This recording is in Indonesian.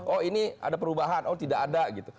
oh ini ada perubahan oh tidak ada gitu